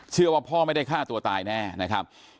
เชื่อว่าพ่อไม่ได้ฆ่าตัวตายแน่นะครับ